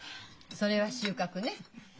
それは収穫ね。